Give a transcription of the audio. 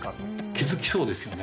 気づきそうですよね。